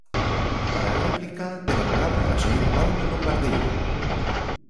Para a réplica, ten a palabra a señora Paulo Lombardeiro.